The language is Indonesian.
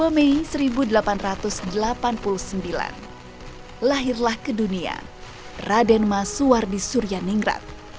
dua mei seribu delapan ratus delapan puluh sembilan lahirlah ke dunia radenma suwardi surya ningrat